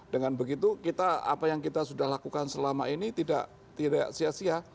dengan begitu kita apa yang kita sudah lakukan selama ini tidak sia sia